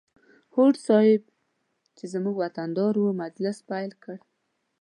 هوډ صیب چې زموږ وطن دار و مجلس پیل کړ.